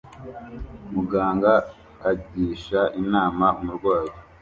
Muganga agisha inama umurwayi